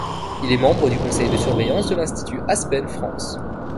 Il est membre du Conseil de surveillance de l’Institut Aspen France.